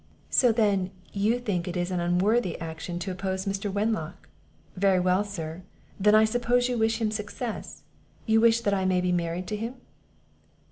"So then you think it is an unworthy action to oppose Mr. Wenlock! Very well, sir. Then I suppose you wish him success; you wish that I may be married to him?"